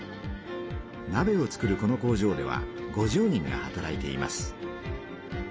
なべを作るこの工場では５０人が働いています。